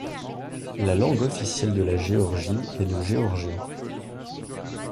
La langue officielle de la Géorgie est le géorgien.